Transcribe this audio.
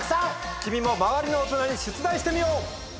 君も周りの大人に出題してみよう！